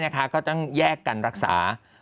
ก็ต้องแยกกันรักษา